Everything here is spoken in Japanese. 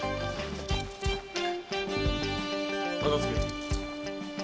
忠相。